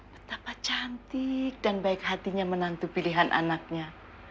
betapa cantik dan baik hatinya menantu pilihan anaknya